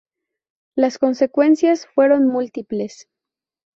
Las consecuencias fueron múltiples.